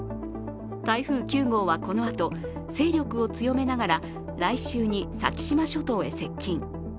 台風９号はこのあと勢力を強めながら来週に先島諸島へ接近。